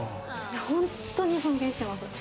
本当に尊敬してます。